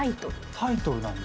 タイトルなんだ。